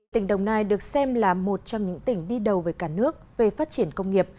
tỉnh đồng nai được xem là một trong những tỉnh đi đầu với cả nước về phát triển công nghiệp